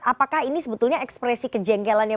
apakah ini sebetulnya ekspresi kejengkelannya